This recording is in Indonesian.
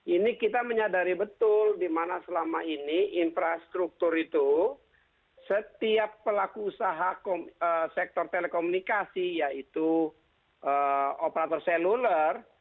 ini kita menyadari betul di mana selama ini infrastruktur itu setiap pelaku usaha sektor telekomunikasi yaitu operator seluler